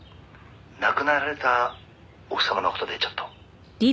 「亡くなられた奥様の事でちょっと」